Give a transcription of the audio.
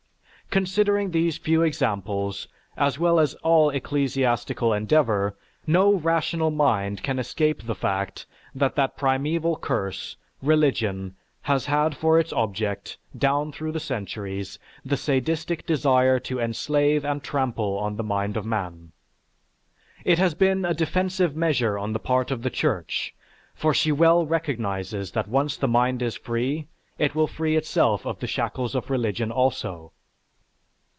Considering these few examples as well as all ecclesiastical endeavor, no rational mind can escape the fact that that primeval curse, religion, has had for its object, down through the centuries, the sadistic desire to enslave and trample on the mind of man. It has been a defensive measure on the part of the Church, for she well recognizes that once the mind is free, it will free itself of the shackles of religion also.